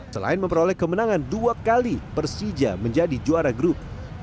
selain memperoleh kemenangan dua kali persija menjadi juara grup